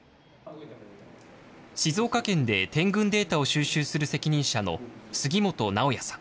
静岡県で点群データを収集する責任者の杉本直也さん。